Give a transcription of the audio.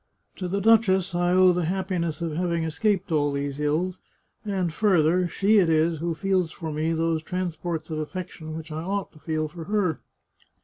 To the duchess I owe the happi ness of having escaped all these ills, and further, she it is who feels for me those transports of affection which I ought to feel for her.